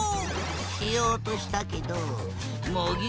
しようとしたけど茂木